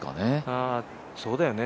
そうだよね